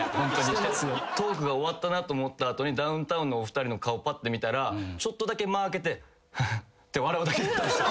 トークが終わったなと思った後にダウンタウンのお二人の顔ぱって見たらちょっとだけ間空けて「フフッ」て笑うだけだったんですよ。